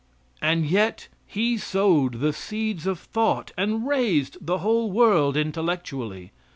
And yet he sowed the seeds of thought, and raised the whole world intellectually.